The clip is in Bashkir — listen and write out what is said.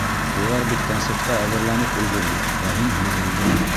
Улар бит концертҡа әҙерләнеп өлгөрҙө, ә һин һуҙылдың.